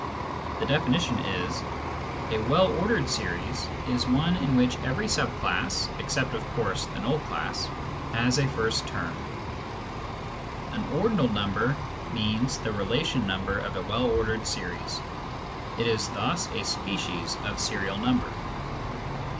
The definition is : Infinite Series and Ordinals 93 A " well ordered " series is one in which every sub class (except, of course, the null class) has a first term. An " ordinal " number means the relation number of a well ordered series. It is thus a species of serial number.